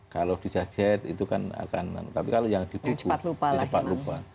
kalau dijajet itu kan akan tapi kalau yang di buku cepat lupa